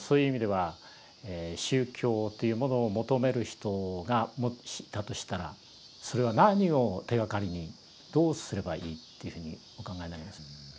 そういう意味では宗教というものを求める人がもしいたとしたらそれは何を手がかりにどうすればいいというふうにお考えになります？